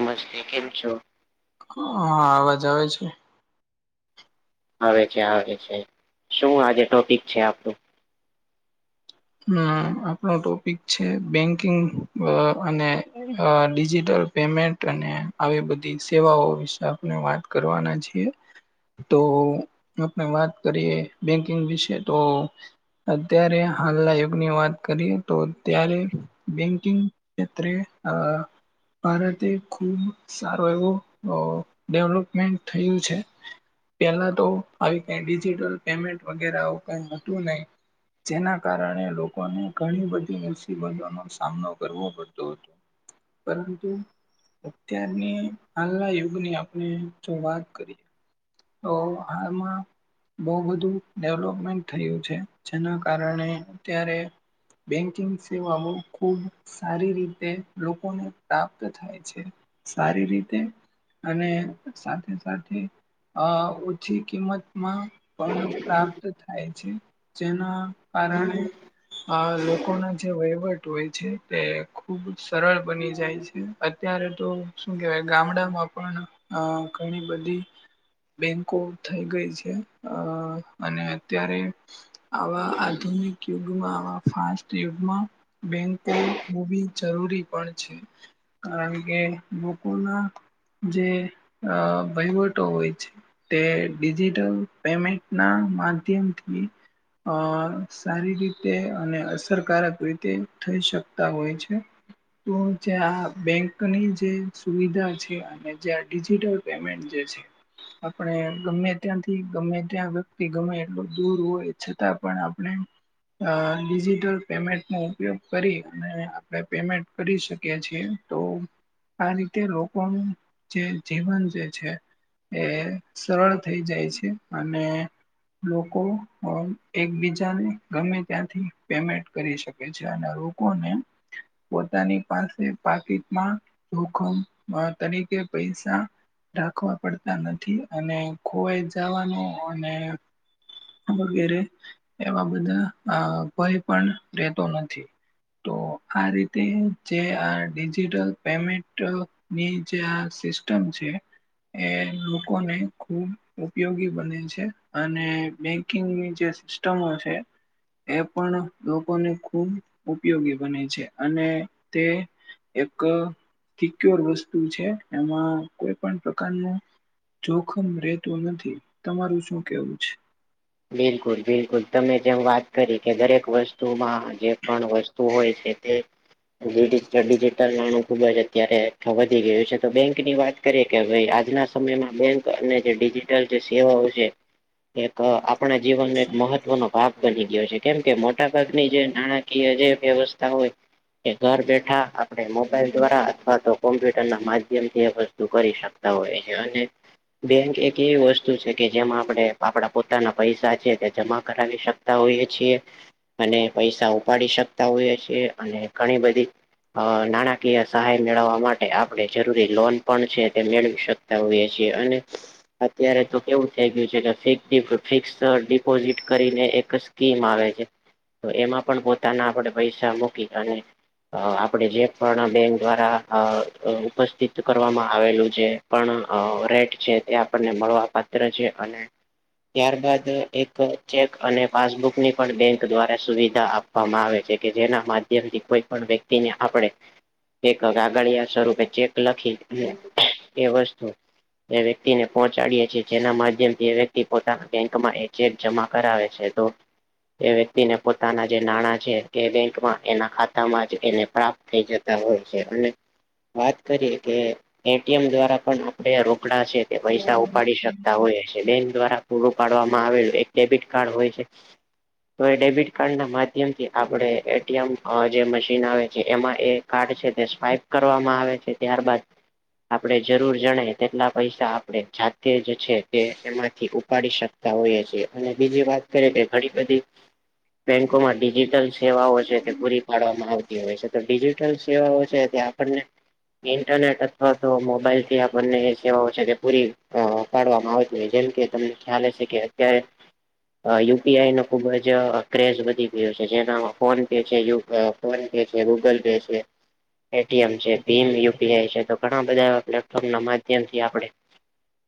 નમસ્તે કેમ છો? હા અવાજ આવે છે? આવે છે. આવે છે. શું આજે ટોપિક છે આપણું? હમ આપણો ટોપિક છે બેંકિંગ અને, અ ડિજિટલ પેમેન્ટ અને આવી બધી સેવાઓ વિશે આપણે વાત કરવના છીએ. તો આપણે વાત કરીએ બેંકિંગ વિશે તો અત્યારે હાલના યુગની વાત કરીએ તો ત્યારે બેંકિંગ ક્ષેત્રે ભારતે ખુબ સારું એવું ડેવલોપમેન્ટ થયું છે. પેલા તો આવી કઈ ડિજિટલ પેમેન્ટ વગેરે આવું કઈ હતું નહી. જેના કારણે લોકોને ઘણી બધી મુસીબતો નો સામનો કરવો પડતો હતો. પરંતુ અત્યારની હાલના યુગની આપણે જો વાત કરીએ. તો હા એમાં બહુ બધું ડેવલોપમેન્ટ થયું છે જેના કારણે અત્યારે બેંકિંગ સેવાઓ ખૂબ સારી રીતે લોકોને પ્રાપ્ત થાય છે. સારી રીતે અને સાથે સાથે અ ઓછી કિંમતમાં પણ પ્રાપ્ત થાય છેવ જેના કારણે આ લોકો ના જે વહીવટ હોય છે તે ખુબ સરળ બની જાય છે. અત્યારે તો શું કહેવાય ગામડામાં પણ ઘણી બધી. બેંકો થઈ ગઈ છે. અ અને અત્યારે આવા આધુનિક યમાંય બેકો જરૂરી પણ છે. કારણ કે લોકો ના જે વહીવટો હોય છે. તે ડિજિટલ પેમેન્ટના માધ્યમથી અ સારી રીતે અને અસરકારક રીતે થઈ શકતા હોય છે. તો જ્યાં બેંકની જે સુવિધા છે અને જ્યાં ડિજિટલ પેમેન્ટ જે છે. આપણે ગમે ત્યાંથી ગમે ત્યાં વ્યક્તિ ગમે એટલું દૂર હોય છતાં પણ આપણે અ ડિજિટલ પેમેન્ટનો ઉપયોગ કરી અને આપણે પેમેન્ટ કરી શકીએ છીએ. તો આ રીતે લોકોનું જે જીવન જે છે. એ સરળ થઈ જાય છે અને લોકો એકબીજાને ગમે ત્યાંથી પેમેન્ટ કરી શકે છે અને રૂગ ને પોતાની પાસે પાકીટમાં જોખમ તરીકે પૈસા રાખવા. પડતા નથી અને ખોવાઈ જવાનું અને વગેરે એવા બધા અ ભય પણ રહેેતો નથી. તો આ રીતે જે આ ડિજિટલ પેમેન્ટ અ ની જે આ સિસ્ટમ છે. એ લોકોને ખુબ ઉપયોગી બને છે અને બેંકિંગની જે સ ઉત્તમ હોય છે. એ પણ લોકોને ખૂબ ઉપયોગી બને છે અને તે એક સિક્યોર વસ્તુ છે એમાં કોઈ પણ પ્રકારનું જોખમ રહેતું નથી તમારું શું કેવું છે. બિલકુલ બિલકુલ તમે જેમ વાત કરી કે દરેક વસ્તુમાં જે પણ વસ્તુ તું હોય છે તે ડીઝી ડિજિટલ નાણું ખુબ જ અત્યારે વધી ગયું છે તો બેંકની વાત કરી કે ભાઈ આજના સમયમાં બેંક અને જે ડિજિટલ જે સેવાઓ છે એક અ આપણા જીવનનો એક મહત્વનો ભાગ બની ગયો છે કેમ કે મોટા ભાગની જે નાણાકીય જે વ્યવસ્થા હોય કે ઘર બેઠા આપણે મોબાઈલ દ્વારા અથવા તો કોમ્પ્યુટર ના માધ્યમથી એ વસ્તુ કરી શક હોય છે અને બેંક એક એવી વસ્તુ છે કે જેમાં આપણે આપડા પોતાના પૈસા છે તે જમા કરાવી શકતા હોઈએ છીએ અને પૈસા ઉપાડી શકતા હોઈએ છીએ અને ઘણી બધી અ નાણાકીય સહાય મેળવવા માટે આપણે જરૂરી લોન પણ છે તે મેળવી શક હોએ છીએ અને અત્યારે તો કેવું થઈ ગયું છે કે ફી ફિક્સ ડિપોઝિટ કરીને એક સ્કીમ આવે છે. તો એમાં પણ પોતાના આપણે પૈસા મૂકી અને અ આપણેે જે પણ બેંક દ્વારા અ ઉપસ્થિત કરવામાં આવેલું છે પણ રેટ છે તે આપણને મળવા પાત્ર છે અને ત્યારબાદ એક ચેક અને પાસબુકની પણ બેંક દ્વારા સુવિધા આપો આપવામાં આવે છે કે જેના માધ્યમથી કોઈ પણ વ્યક્તિને આપણે એક આગળિયા સ્વરૂપે ચેક લખી એ વસ્તુ એ વ્યક્તિને પહોંચાડીએ છીએ જેના માધ્યમથી એ વ્યક્તિ પોતાના બેંકમાં એ ચેક જમા કરાવે છે તો એ વ્યક્તિને પોતાના જે નાણા છે એ બેંકમાં એના ખાતામાં જ એને પ્રાપ્ત થઈ જતા હોય છે અને વાત કરીએ કે એટીએમ દ્વારા પણ આપણે રોકડા છે. એ પૈસા ઉપાડી શકતા હોય બેંક દ્વારા પૂરું પાડવામાં આવેલું એક ડેબિટ કાર્ડ હોય છે. તો એ ડેબિટ કાર્ડ ના માધ્યમ થી આપણે એટીએમ જે મશીન આવે છે એમાં એ કારડ છે તે સ્વાઈપ કરવામાં આવે છે ત્યારબાદ આપણે જરૂર જણાય તેટલા પૈસા આપણે જાતે જ છે તે એમાંથી પાડી શકતા હોઈએ છીએ અને બીજી વાત કરી કે ઘણી બધી બેંકોમાં ડિજિટલ સેવાઓ છે તે પૂરી પાડવામાં આવતી હોય છે તો ડિજિટલ સેવાઓ છે ત્યા આપણને ઇન્ટરનેટ અથવા તો મોબાઈલ થી આપણને સેવાઓ છે તે પૂરી પાડવામાં આવતી હો જેમ કે તમને ખ્યાલ હશે કે અત્યારે યુપીઆઈ નો ખૂબ જ ક્રેઝ વધી ગયો છે જેના ફોનપે છે ફોન પે છે ગૂગલ પે છે એટીએમ છે ભીમ યુપીઆઈ છે તો ઘણા બધા એ પ્લેટફોર્મ ના માધ્યમથી આપણે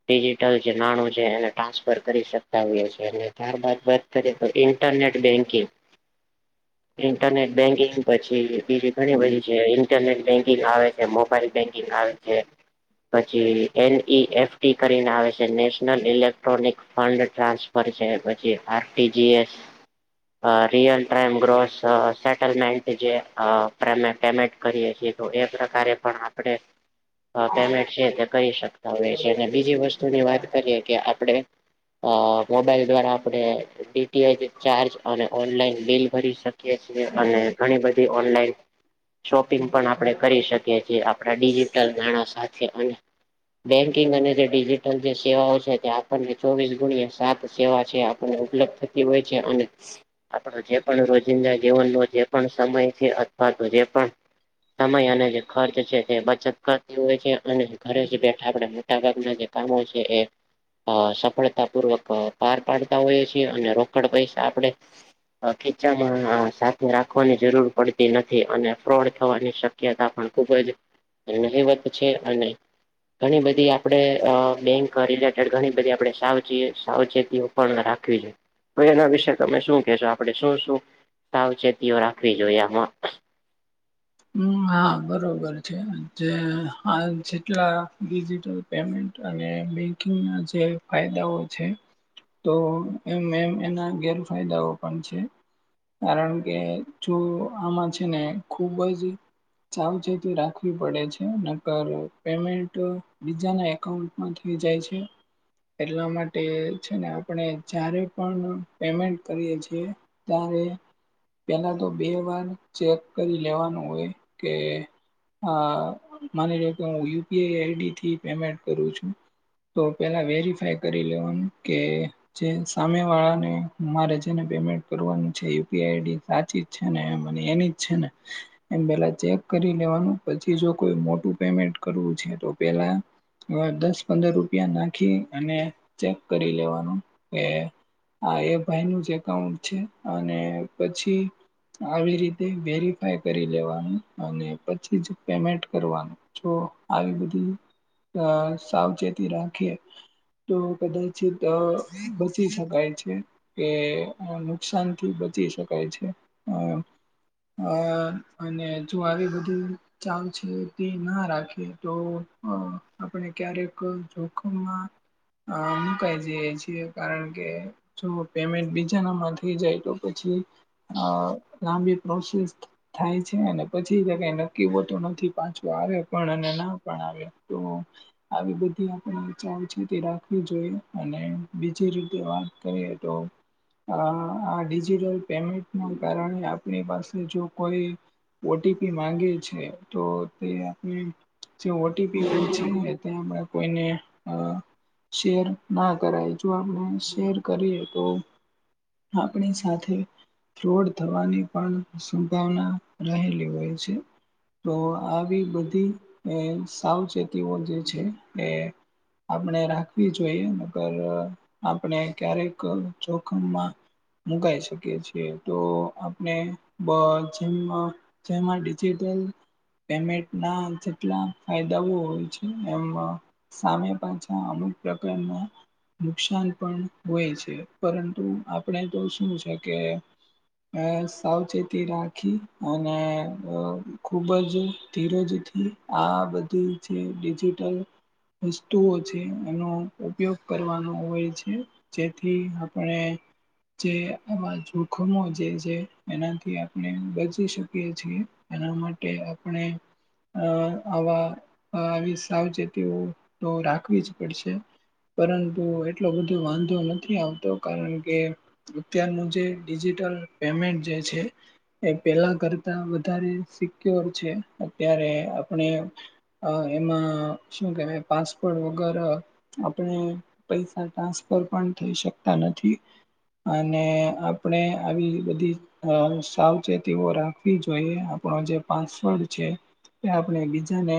ડિજટલ જે નાણું છે એને ટ્રાન્સફર કરી શકતા હોઈએ છીએ એટલે ત્યારબાદ વાત કરીએ તો ઇન્ટરનેટ બેન્કિંગ ઇન્ટરનેટ બેંકિંગ પછી બીજી ઘણી બધી છે ઇન્ટરનેટ બેન્કિંગ આવે છે મોબાઈલ બેન્કિંગ આવે છે. પછી એનઈ એફી કરીને આવે છે national electronic fund transfer છે પછી RTGS real time gross settlement જેે પ્રેમે પેફિક કરીએ છીએ તો એ પ્રકારે પણ આપણે [inaudible] પેમેન્ટ છે તે કરી શકતા હોય છે અને બીજી વસ્તુની વાત કરીએ કે આપણે અ મોબાઈલ દ્વારા આપણે ડીટીએચ ચાર્જ અને ઓનલાઈન બિલ ભરી શકીએ ઓનલાઇન શપિંગ પણ આપણે કરી શકીએ આપિજિટલ નાણા સાથે બેકિંગ અને જે ડિજિટલ જે સેવાઓ છે ચોવીસ ગુણ્યા સાત સેવા છે આપને ઉપલબ્ધ થતી હોય છે અને આપણો જે પણ રોજિંદા જીવનનો જે પણ સમય છે અથવા તો જે પણ સમય અને જેર્ચ છે તે બચત કરતી હોય છે અને ઘરે જ બેઠા આપે ના જે કામો છે એ અ સફળતા પૂર્વક પાર પાડતા હોઈએ છીએ અને રોકડ પૈસા આપણે ખીચામાં સાથે રાખવાની જરૂર પડતી નથી અને ફ્રોડ થવાની શક્યતા કે તા પણ ખૂબ જ નહીવત છે અને ઘણી બધી આપડે બેંક ઘણી બધી આપડણે સાવચેત સાવચેતી પણ રાખવી જોઈએ તો એના વિશે તમે શું કેશો આપણે શું શું સાવચેતીઓ રાખવી જોઈએ આમાં હમ હા બરોબર છે જે જેટલા ઇઝી પેમેન્ટ અને બેન્કિંગના જે ફાયદાઓ છે તો એમ એમ એના ગેરફાયદાઓ પણ છે કારણ કે જો આમાં છે ને ખુબ જ સાવચેતી રાખવી પડે છે નકર પેમેન્ટ બીજાના એકઉન્ટ અથવી જાય છે એટલા માટે છે ને આપણે જ્યારે પણ પેમેન્ટ કરીએ છીએ ત્યારે પેલા તો બે વાર ચેક કરી લેવાનું હોય કે હ માની લો કે હું યુપીઆઈ આઈડી થી પેમેન્ટ કરું છું તો પેલા વેરીફાય કરી લેવાનું કે જે સામે વાળાને મારે જેને પેમેન્ટ કરવાનું છે યુપીઆઈ આઈડી સાચી છે ને મને એની જ છે ને એમ પેલા ચેક કરી લેવાનું પછી જો કોઈ મોટું પેમેન્ટ કરવું છે તો પેલા હ દસ પંદર રૂપિયા નાખી અને ચેક કરી લેવાનું કે આ એ ભાઈ નું જ એકાઉન્ટ છે અને પછી આવી રીતે વેરીફાઈ કરી લેવાનું અને પછી જ પેમેન્ટ કરવાનું જો આવી બધી અ સાવચેતી રાખીએ તો કદાચિત બચી શકાય છે કે નુકસાનથી બચી શકાય છે અમ આ અને જોવારી બધી ચાલ છે તે ના રાખે તો આપણે ક્યારેક જોખમમાં અ મુકાય જઈએ છીએ કારણ કે જો પેમેન્ટ બીજા નામાં થઈ જાય તો પછી અ લાંબી પ્રોસેસ થાય છે અને પછી કઈ નક્કી હો તો નથી પાછો આવ્યો પણ અને ના પણ આવ્યો તોમ આવી બધી આપ ઈછાઓ છે રાખવી જોઈએ અને બીજી રીતે વાત કરીએ તો અ આ ડિજિટલ પેમેન્ટના કારણે આપણી પાસે જો કોઈ ઓટીપી માંગે છે તો તે આપણે જે ઓટીપી છે ત્યા આપણે કોઈને અ શેર ના કરાય જો આપણે શેર કરીએ તો આપણી સાથે ફ્રોડ થવાની પણ સંભાવના રહેલી હોય છે. તો આવી બધી સાવચેતીઓ જે છે એ આપણે રાખવી જોઈએ મગર આપણે ક્યારેક જોખમમાં મુકાઈ શકીએ છીએ તો આપણે બ જે જેમાં ડિજિટલ પેમેન્ટ ના જેટલા ફાયદાઓ હોય છે એમ અ સામે પાછા અમુક પ્રકારના નુકસાન પણ હોય છે પરંતુ આપણે તો શું છે કે અ સાવચેત તે રાખી અને ખૂબ જ ધીરજથી આ બધી ડિજિટલ વસ્તુઓ છે એનો ઉપયોગ કરવાનો હોય છે. જેથી આપણે જે આવા જોખમો જે છે એનાથી થી આપણે બચી શકીએ છીએ એના માટે આપણે અ આવા આવી સાવચેતીઓ તો રાખવી જ પડશે. પરંતુ એટલો બધો વાંધો નથી આવતો કારણ કે અત્યાર મુ જે ડિજિટલ પેમેન્ટ જે છે. એ પેલા કરતા વધારે સિક્યોર છે અત્યારે આપણે અ એમાં શું કેહેવાય પાસપોટ વગર અ આપણે પૈસા ટ્રાન્સફર પણ થઈ શકતા નથી. અને આપણે આવી બધી અ સાવચેતીઓ રાખવી જોઈએ આપણો જે પાસવર્ડ છે. કે આપણે બીજાને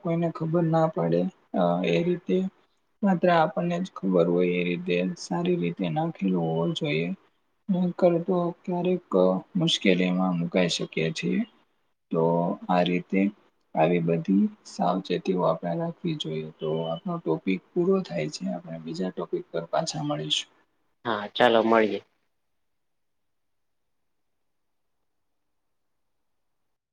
કોઈને ખબર ના પડે એ રીતે માત્ર આપણને જ ખબર હોય એ રીતે સારી રીતે ના ખેલવું હોવો જોઈએ. ન કરતો ક્યારેક મુશ્કેલીમાં મુકાઈ શકીએ છીએ. તો આ રીતે આવી બધી સાવચેતીઓ આપણે નાખવી જોઈએ તો આપનો ટોપિક પૂરો થાય છે આપડે બીજા ટોપિક પાછા મળીશું. હા ચાલો મળીએ.